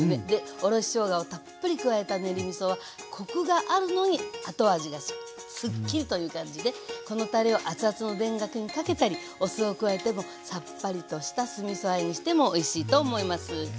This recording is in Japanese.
おろししょうがをたっぷり加えた練りみそはコクがあるのに後味がすっきりという感じでこのたれをアツアツの田楽にかけたりお酢を加えてもさっぱりとした酢みそあえにしてもおいしいと思います。